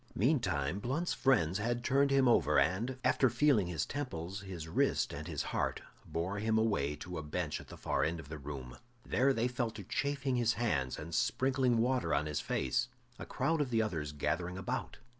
Meantime Blunt's friends had turned him over, and, after feeling his temples, his wrist, and his heart, bore him away to a bench at the far end of the room. There they fell to chafing his hands and sprinkling water in his face, a crowd of the others gathering about.